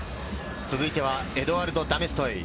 続いては、エドアルド・ダメストイ。